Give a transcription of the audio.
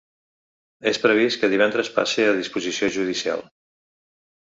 És previst que divendres passe a disposició judicial.